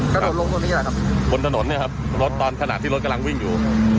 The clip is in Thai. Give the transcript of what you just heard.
กระโดดลงตรงนี้แหละครับบนถนนเนี่ยครับรถตอนขณะที่รถกำลังวิ่งอยู่